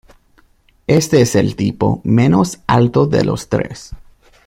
Este es el tipo menos alto de los tres.